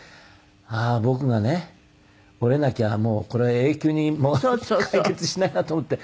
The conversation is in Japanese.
ああー僕がね折れなきゃこれは永久に解決しないなと思って。